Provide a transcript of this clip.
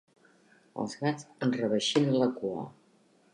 Els gats enreveixinen la cua.